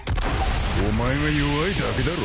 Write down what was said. ［お前が弱いだけだろ］